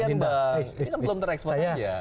ini kan belum tereksplosinya